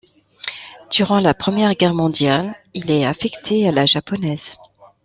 Durant la Première Guerre mondiale il est affecté à la japonaise.